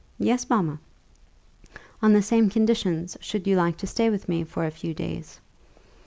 "Yes, mamma." "On the same conditions should you like to stay with me for a few days?"